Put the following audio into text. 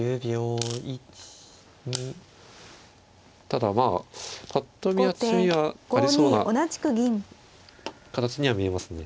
ただまあぱっと見は詰みはありそうな形には見えますね。